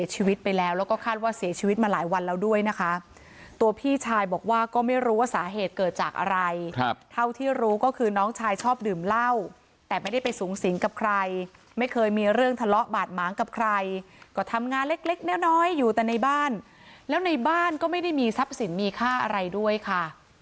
ชีวิตไปแล้วแล้วก็คาดว่าเสียชีวิตมาหลายวันแล้วด้วยนะคะตัวพี่ชายบอกว่าก็ไม่รู้ว่าสาเหตุเกิดจากอะไรเท่าที่รู้ก็คือน้องชายชอบดื่มเหล้าแต่ไม่ได้ไปสูงสิงกับใครไม่เคยมีเรื่องทะเลาะบาดหมางกับใครก็ทำงานเล็กเล็กน้อยอยู่แต่ในบ้านแล้วในบ้านก็ไม่ได้มีทรัพย์สินมีค่าอะไรด้วยค่ะ